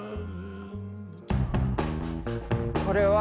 これは。